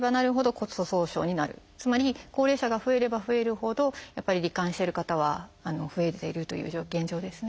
つまり高齢者が増えれば増えるほどやっぱり罹患してる方は増えているという現状ですね。